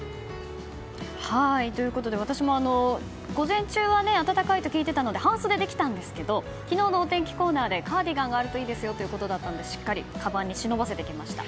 私も午前中は暖かいと聞いていたので半袖で来たんですけど昨日のお天気コーナーでカーディガンがあるといいですよということでしたのでしっかりとかばんに忍ばせてきました。